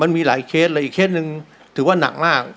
มีหลายเคสเลยอีกเคสหนึ่งถือว่าหนักมาก